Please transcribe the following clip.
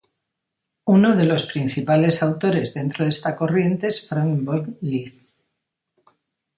Uno de los principales autores dentro de esta corriente es Franz von Liszt.